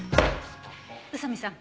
宇佐見さん